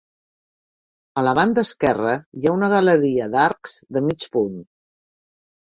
A la banda esquerra hi ha una galeria d'arcs de mig punt.